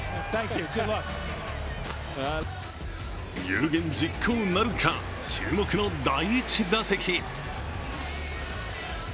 有言実行なるか、注目の第１打席。